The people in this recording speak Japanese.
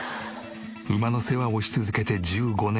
馬の世話をし続けて１５年。